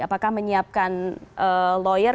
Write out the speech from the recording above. apakah menyiapkan lawyer